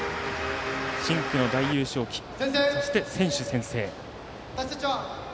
深紅の大優勝旗、そして選手宣誓。